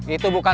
itu bukan paham